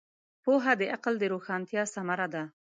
پوهه د عقل د روښانتیا ثمره ده.